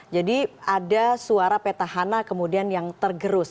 jadi ada suara petahana kemudian yang tergerus